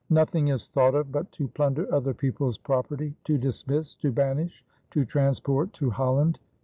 Nothing is thought of but to plunder other people's property to dismiss to banish to transport to Holland."